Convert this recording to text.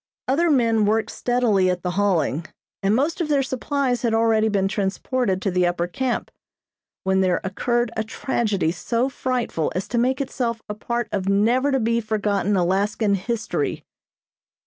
Other men worked steadily at the hauling, and most of their supplies had already been transported to the upper camp; when there occurred a tragedy so frightful as to make itself a part of never to be forgotten Alaskan history.